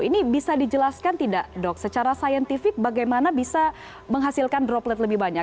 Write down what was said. ini bisa dijelaskan tidak dok secara saintifik bagaimana bisa menghasilkan droplet lebih banyak